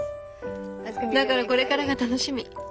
だからこれからが楽しみ。